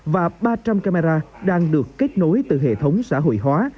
và ba trăm linh camera đang được kết nối từ hệ thống xã hội hóa